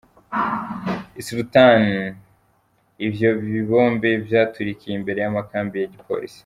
I Surat Thani, ivyo bibombe vyaturikiye imbere y'amakambi y'igipolisi.